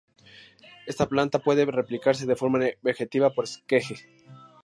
Esta planta puede replicarse de forma vegetativa, por esqueje.